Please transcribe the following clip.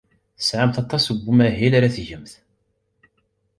Tesɛamt aṭas n umahil ara tgemt.